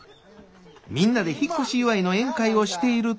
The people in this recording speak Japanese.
みんなで引っ越し祝の宴会をしていると。